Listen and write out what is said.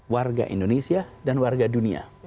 warga indonesia dan warga dunia